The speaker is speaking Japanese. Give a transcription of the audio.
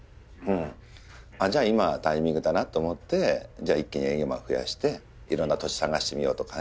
じゃあ今タイミングだなと思って一気に営業マン増やしていろんな土地探してみようとかね。